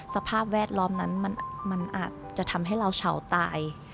สภาพแวดล้อมนั้นมันอาจจะทำให้เราเฉาตาย